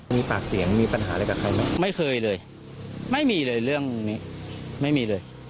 มีปากเสียงมีปัญหาอะไรกับใครไหมไม่เคยเลยไม่มีเลยเรื่องนี้ไม่มีเลย